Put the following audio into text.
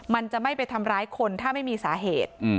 มันจะไม่ไปทำร้ายคนถ้าไม่มีสาเหตุ